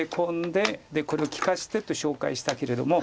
でこれを利かしてと紹介したけれども。